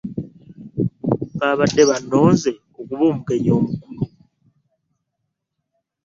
Baabadde bannonze okuba omugenyi omukulu.